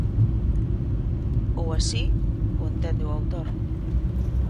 Ou así o entende o autor.